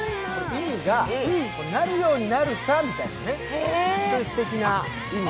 意味が「なるようになるさ」みたいなすてきな意味。